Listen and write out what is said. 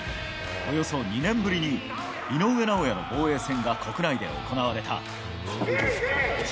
およそ２年ぶりに井上尚弥の防衛戦が国内で行われた。